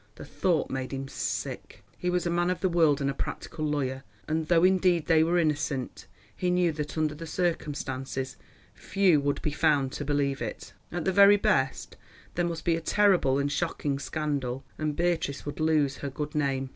The thought made him sick. He was a man of the world, and a practical lawyer, and though, indeed, they were innocent, he knew that under the circumstances few would be found to believe it. At the very best there must be a terrible and shocking scandal, and Beatrice would lose her good name.